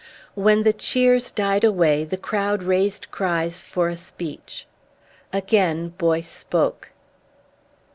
When the cheers died away the crowd raised cries for a speech. Again Boyce spoke.